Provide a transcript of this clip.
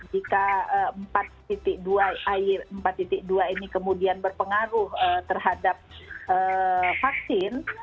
jika empat dua ini kemudian berpengaruh terhadap vaksin